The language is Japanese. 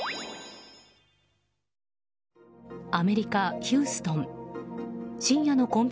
アメリカ・ヒューストン。